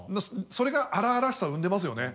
それが荒々しさを生んでますよね。